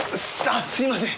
すいません。